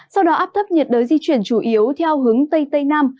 sau đó áp thấp nhiệt đới di chuyển chủ yếu theo hướng tây tây nam